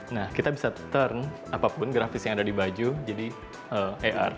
nah kita bisa turn apapun grafis yang ada di baju jadi art